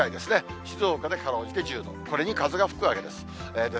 静岡でかろうじて１０度、これに風が吹くわけです。